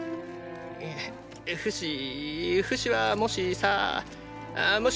フシフシはもしさもし